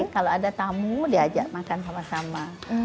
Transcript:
kalau ada tamu diajak makan sama sama